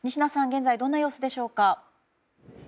現在どんな様子でしょうか。